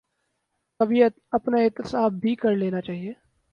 کبھی اپنا احتساب بھی کر لینا چاہیے۔